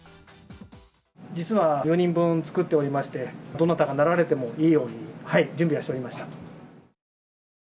実は４人分作っておりまして、どなたがなられてもいいように、準備はしておりました。